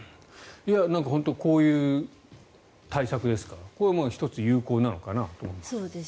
本当、こういう対策ですかこれも１つ有効なのかなと。